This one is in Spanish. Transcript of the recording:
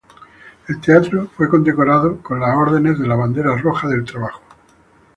El teatro fue condecorado con los ordenes de la Bandera Roja del Trabajo.